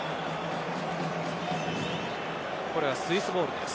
これはスイスボールです。